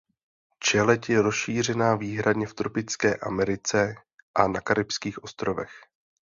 Čeleď je rozšířena výhradně v tropické Americe a na Karibských ostrovech.